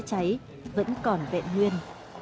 vệ cháy vẫn còn vẹn nguyên